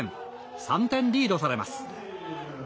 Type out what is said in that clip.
３点リードされます。